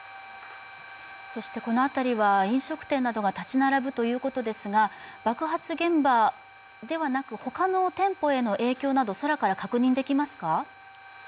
この辺りは飲食店などが立ち並ぶということですが、爆発現場ではなく、他の店舗への影響など空から確認できますか？